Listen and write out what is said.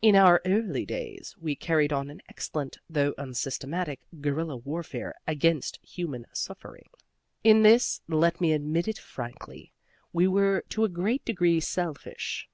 In our early days we carried on an excellent (though unsystematic) guerilla warfare against human suffering. "In this (let me admit it frankly) we were to a great degree selfish.